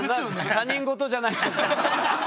他人事じゃない。